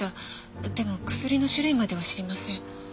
でも薬の種類までは知りません。